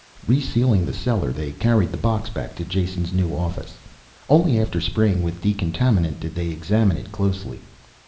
Resealing the cellar, they carried the box back to Jason's new office. Only after spraying with decontaminant, did they examine it closely.